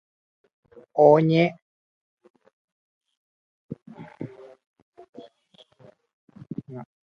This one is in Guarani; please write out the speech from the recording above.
Oñemoarandu'ypýkuri táva Villarrica-pe